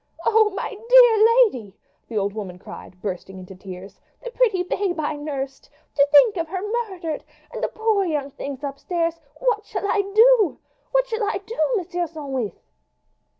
"Oh, my dear lady!" the old woman cried, bursting into tears. "The pretty babe I nursed. To think of her murdered; and the poor young things upstairs what shall I do! what shall I do, Monsieur Sandwith!"